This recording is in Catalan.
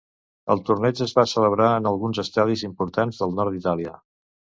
El torneig es va celebrar en alguns estadis importants del nord d'Itàlia.